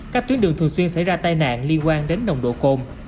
các tuyến đường thường xuyên xảy ra tai nạn liên quan đến nồng độ cồn